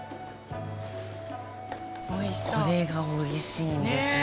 これがおいしいんですよ。